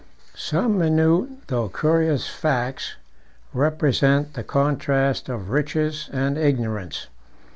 24 Some minute though curious facts represent the contrast of riches and ignorance.